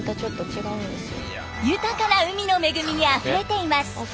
豊かな海の恵みにあふれています。